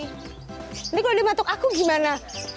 nanti kalau dia matuk aku gimana